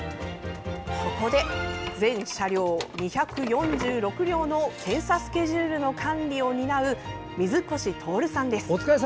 ここで、全車両２４６両の検査スケジュールの管理を担う水越徹さんです。